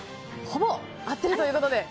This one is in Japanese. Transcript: ほぼ合っているということで。